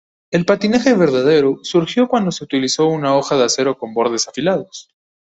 El patinaje verdadero surgió cuando se utilizó una hoja de acero con bordes afilados.